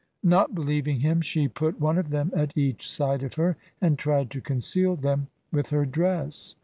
Not believing him, she put one of them at each side ol her, and tried to conceal them with her dress.